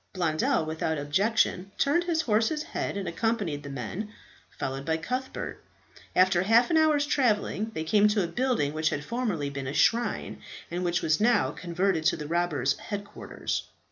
Blondel, without objection, turned his horse's head and accompanied the men, followed by Cuthbert. After half an hour's travelling, they came to a building which had formerly been a shrine, but which was now converted to the robbers' headquarters.